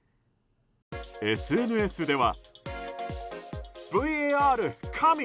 ＳＮＳでは。